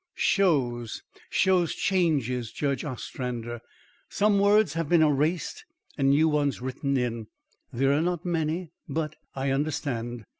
"Shows shows changes, Judge Ostrander. Some words have been erased and new ones written in. They are not many, but " "I understand.